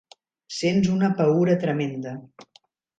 Sents una paüra tremenda.